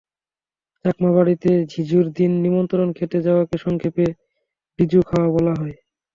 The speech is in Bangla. চাকমা বাড়িতে বিঝুর দিন নিমন্ত্রণ খেতে যাওয়াকে সংক্ষেপে বিঝু খাওয়াও বলা হয়।